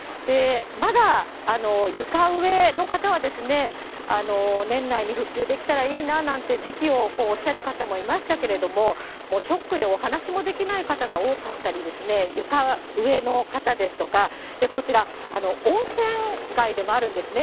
まだ床上の方は、年内に復旧できたらいいななんて時期をおっしゃる方もいましたけども、ショックでお話もできない方が多かったりですね、床上の方ですとか、こちら、温泉街でもあるんですね。